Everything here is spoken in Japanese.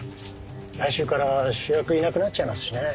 来週から主役いなくなっちゃいますしね。